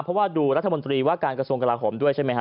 เพราะว่าดูรัฐมนตรีว่าการกระทรวงกลาโหมด้วยใช่ไหมฮ